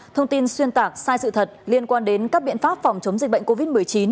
thông tin xuyên tạc sai sự thật liên quan đến các biện pháp phòng chống dịch bệnh covid một mươi chín